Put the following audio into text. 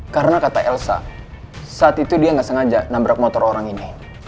karena kata elsa saat itu dia gak sengaja nabrak motor orang ini